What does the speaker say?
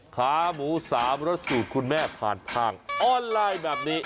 ขาหมู๓รสสูตรคุณแม่ผ่านทางออนไลน์แบบนี้